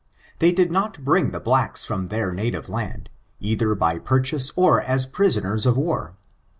They did not bring the blacks from their native land, either by purchase or as pris oners of war.